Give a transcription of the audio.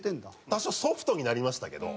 多少ソフトになりましたけど。